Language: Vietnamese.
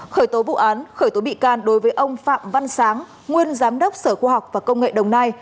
khởi tố vụ án khởi tố bị can đối với ông phạm văn sáng nguyên giám đốc sở khoa học và công nghệ đồng nai